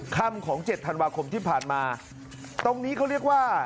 คำของเจ็ดธันวาคมที่ผ่านมาตรงนี้เขาเรียกว่า